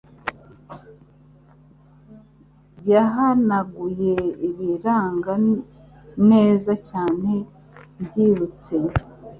yahanaguye ibiranga neza cyane mbyibutse